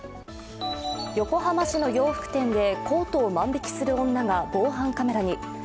横浜市の洋服店でコートを万引きする女が防犯カメラに。